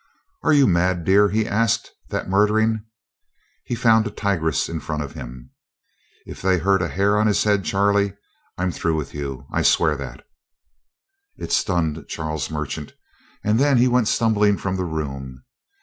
"Are you mad, dear?" he asked. "That murdering " He found a tigress in front of him. "If they hurt a hair of his head, Charlie, I'm through with you. I'll swear that!" It stunned Charles Merchant. And then he went stumbling from the room.